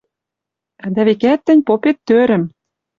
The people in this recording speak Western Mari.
— Дӓ, векӓт, тӹнь попет тӧрӹм.